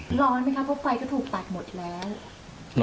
ร้อนไหมคะเพราะไฟก็ถูกตัดหมดแล้ว